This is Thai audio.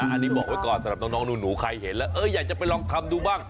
อันนี้บอกไว้ก่อนสำหรับน้องหนูใครเห็นแล้วอยากจะไปลองทำดูบ้าง